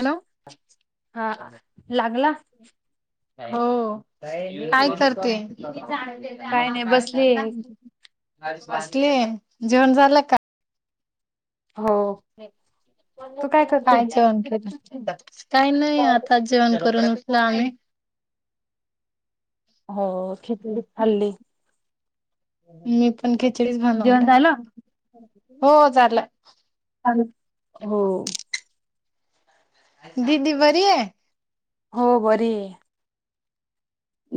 Hello हा लागला. हो काय करते. काय नाही बसली [inaudible] असले जेवण झालं का? हो [inaudible] तू काय करते हता [inaudible] काही नाही आता, जेवण करून उत्ना [unintelligible] अमी हो खिचडी खाल्ली. मीप प खिचडीच जेवण बनवल्या झालं हो झालं ह [inaudible] हो दिदी बरी ये हो बरी आहे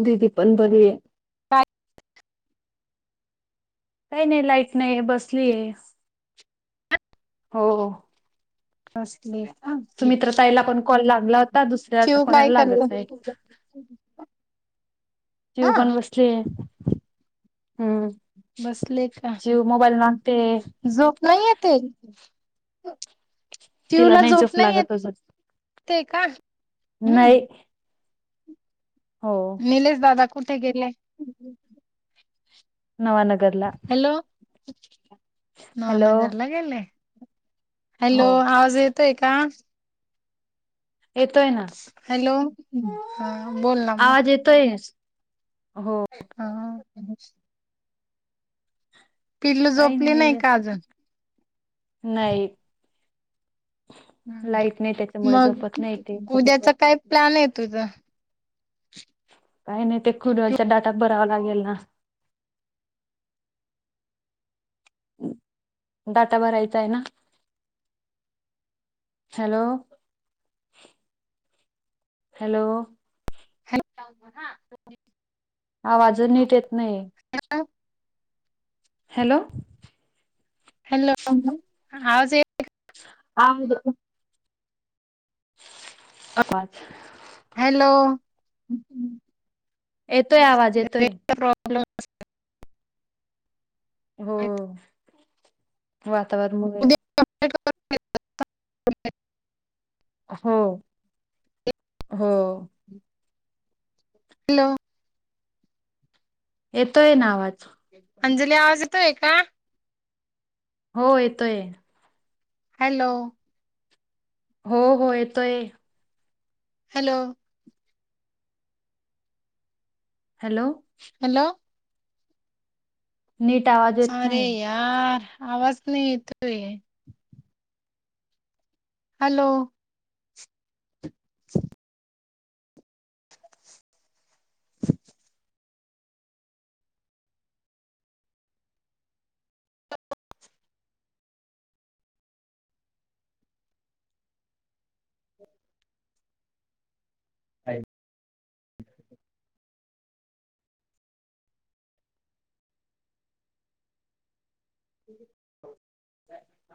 दिदी पण बरी ये काय काही नाही लाईट नाहीे बसली ये हो नसले तुमी तर ताईला पण कॉल लागला होत आता दुसऱ्या चिऊ काय कोणाला लागत करत नाही चीव हा पण बसली. हम्म. बसले का शिव मोबाईल मागते झोप नाहीयेते? [inaudible] तिला चिवला झोप नाही [unintelligible] लागत अजून येतते का? हम्म नाही. हो निलेश दादा कुठे गेले नवानगरला हॅलो हा हॅलो नगरला गेले. हो हॅलो आवाज येतोय का? येतोय ना हॅलो हा बोल ना आवाज मग येतोय हो. अ् [inaudible] पिल्ल काही झोपली नाही का असं. अजून नाही लाईट नाही त्याच्यामुळे मग झोपत नाही ते उद्याचा काय प्लॅन आहे तुझं. काही नाही ते कुडलच्या डाटा भरावा लागेल ना. डाटा भरायचा आहे ना? Hello, hello. [inaudible] आवाज नीट येत नाही. Hello hello. [inaudible] आम दो. आबाज. हॅलो. येतोय आवाज येतोय. रेंजचा [inaudible] आहे. हो. [inaudible] [inaudible] [inaudible] हो. हो. हॅलो. येतोय ना आवाज [unintelligible] अंजली आवाज येतोय का? हो येतोय. हॅलो. हो, हो, येतोय. हॅलो. हॅलो. हॅलो. नीट आवाज येत अरे नाय. यार आवाज नाही येतोय. हॅलो. [inaudible] [inaudible] आय. [inaudible] [inaudible]